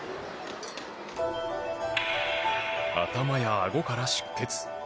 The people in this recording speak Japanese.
頭やあごから出血。